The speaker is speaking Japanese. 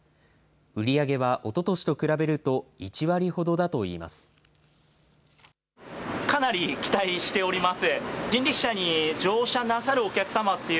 売り上げはおととしと比べると、１割ほどだといいます。